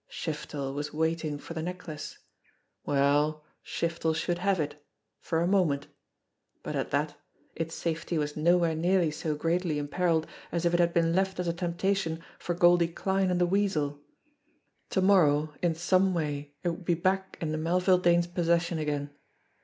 Shiftel was waiting for the necklace! Well, Shiftel should have it for a moment. But, at that, its safety was nowhere nearly so greatly imperilled as if it had been left as a temptation for Goldie Kline and the Weasel ! To morrow, in some way, it would be back in the Melville Danes' possession again.